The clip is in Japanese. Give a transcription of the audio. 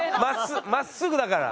まっすぐだから。